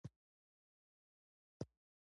یا مېړونه بدل سوي یا اوښتي دي وختونه